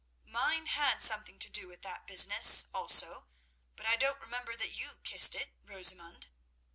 "Mine had something to do with that business also but I don't remember that you kissed it, Rosamund.